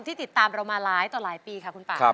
ติดตามเรามาหลายต่อหลายปีค่ะคุณป่า